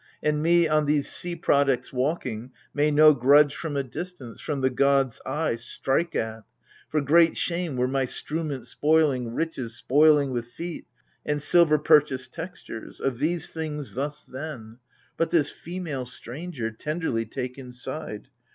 And me, on these sea products walking, may no Grudge from a distance, from the god's eye, strike at ! For great shame were my strewment spoiling — riches Spoiling with feet, and silver purchased textures ! Of these things, thus then. But this female stranger Tenderly take inside